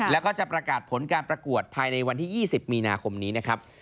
แล้วก็จะประกาศผลการประกวดภายในวันที่๒๐มีนาคมนี้นะครับ